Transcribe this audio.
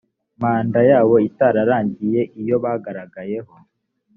manda yabo itararangira iyo bagaragayeho